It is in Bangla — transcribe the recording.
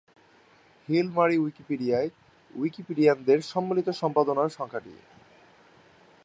হিল মারি উইকিপিডিয়ায় উইকিপিডিয়ানদের সম্মিলিত সম্পাদনার সংখ্যা টি।